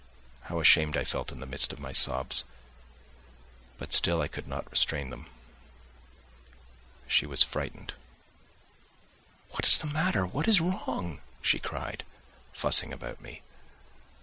How ashamed I felt in the midst of my sobs; but still I could not restrain them. She was frightened. "What is the matter? What is wrong?" she cried, fussing about me.